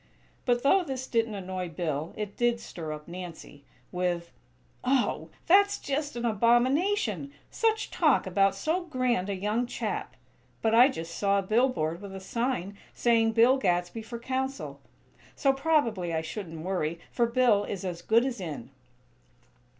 But though this didn't annoy Bill, it did stir up Nancy, with: "Oh! That's just an abomination! Such talk about so grand a young chap! But I just saw a billboard with a sign saying: 'Bill Gadsby for Council;' so, probably I shouldn't worry, for Bill is as good as in."